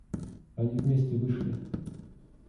Они вместе вышли.